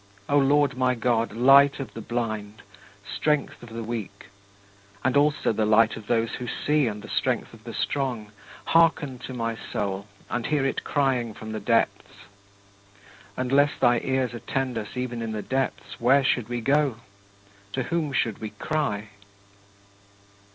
O Lord my God, light of the blind, strength of the weak and also the light of those who see and the strength of the strong hearken to my soul and hear it crying from the depths. Unless thy ears attend us even in the depths, where should we go? To whom should we cry?